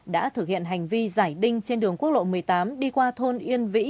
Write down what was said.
đã thực hiện hành vi giải đinh trên đường quốc lộ một mươi tám đi qua thôn yên vĩ